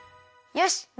よし！